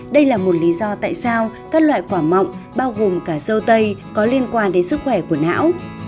đây là một lý do tại sao các loại quả mộng bao gồm cả dâu tây có liên quan đến sức khỏe của não